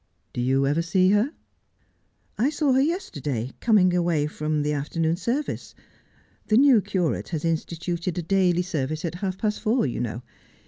' Do you ever see her 1 ' 1 1 saw her yesterday coming away from the afternoon 234 Just as I Am. service. The new curate has instituted a daily service at half past four, you know.